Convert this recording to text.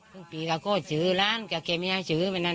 พรุ่งปีก็โคตรซื้อร้านก็เคยไม่น่าซื้อแบบนั้น